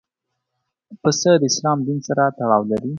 پسه د اسلام دین سره تړاو لري.